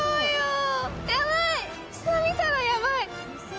下見たらヤバい！